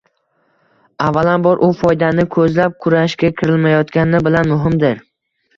avvalambor, u foydani ko‘zlab kurashga kirilmayotgani bilan muhimdir.